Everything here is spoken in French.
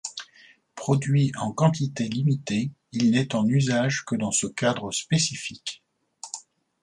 Produit en quantité limitée, il n'est en usage que dans ce cadre spécifique.